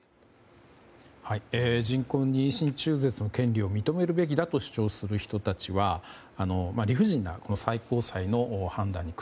人工妊娠中絶の権利を認めるべきだと主張する人たちは理不尽な最高裁の判断に